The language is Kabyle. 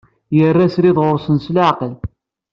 Yerra srid ɣur-sen s leɛqel.